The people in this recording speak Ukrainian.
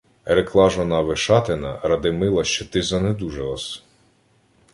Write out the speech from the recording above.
— Рекла жона Вишатина Радмила, що ти занедужала-с...